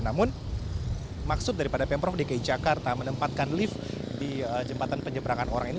namun maksud daripada pemprov dki jakarta menempatkan lift di jembatan penyeberangan orang ini